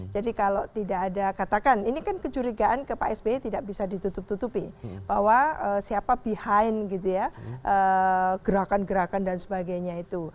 jadi kalau tidak ada katakan ini kan kejurigaan ke pak sby tidak bisa ditutup tutupi bahwa siapa behind gerakan gerakan dan sebagainya itu